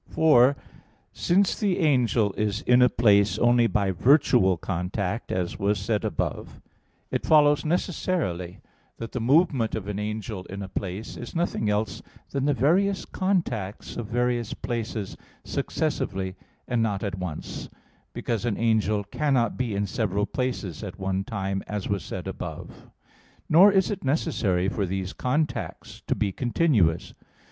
For since the angel is in a place only by virtual contact, as was said above (Q. 52, A. 1), it follows necessarily that the movement of an angel in a place is nothing else than the various contacts of various places successively, and not at once; because an angel cannot be in several places at one time, as was said above (Q. 52, A. 2). Nor is it necessary for these contacts to be continuous.